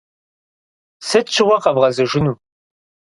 Сыт щыгъуэ къэвгъэзэжыну?